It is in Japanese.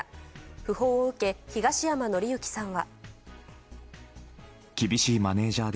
訃報を受け、東山紀之さんは。